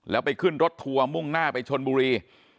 แล้วไปขึ้นรถทัวร์มุ่งหน้าไปชนบุรี